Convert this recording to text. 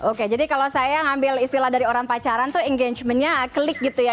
oke jadi kalau saya ngambil istilah dari orang pacaran tuh engagementnya klik gitu ya